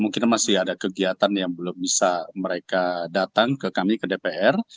mungkin masih ada kegiatan yang belum bisa mereka datang ke kami ke dpr